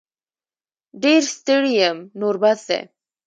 ډير ستړې یم نور بس دی